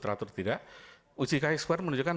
teratur atau tidak uji ks dua menunjukkan